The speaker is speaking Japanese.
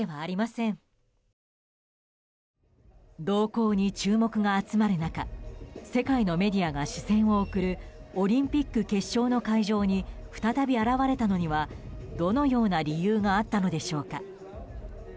動向に注目が集まる中世界のメディアが視線を送るオリンピック決勝の会場に再び現れたのにはどのような理由があったのでしょうか。